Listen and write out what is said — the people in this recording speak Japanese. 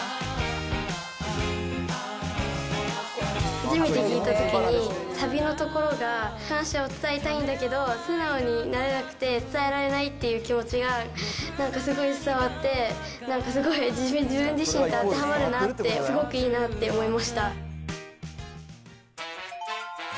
初めて聴いたときに、サビのところが感謝を伝えたいんだけど、素直になれなくて伝えられないっていう気持ちが、なんかすごい伝わって、なんかすごい自分自身と当てはまるなって、すごくいいなって思いました。